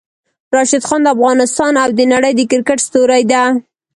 راشد خان د افغانستان او د نړۍ د کرکټ ستوری ده!